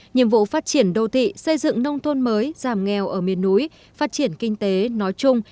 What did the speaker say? nhiệm vụ phát triển đô thị xây dựng nông thôn mới giảm nghèo ở miền núi phát triển kinh tế nói chung